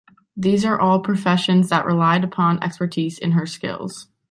These are all professions that relied upon expertise in her skills.